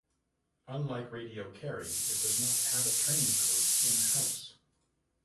Unlike Radio Kerry it does not have a training course in-house.